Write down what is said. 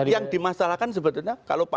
yang dimasalahkan sebetulnya